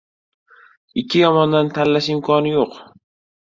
• Ikki yomondan tanlash imkoni yo‘q.